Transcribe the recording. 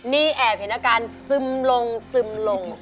นี่แอบเห็นอาการซึมลงซึมลง